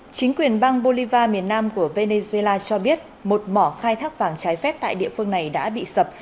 chính quyền bang bolivar miền nam của venezuela cho biết một mỏ khai thác vàng trái phép tại địa phương này đã bị sập